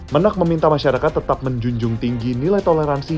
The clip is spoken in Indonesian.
menak meminta masyarakat tetap menjunjung tinggi nilai toleransi